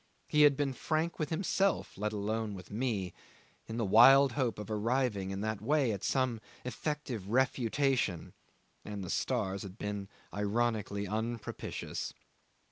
He had been frank with himself let alone with me in the wild hope of arriving in that way at some effective refutation, and the stars had been ironically unpropitious.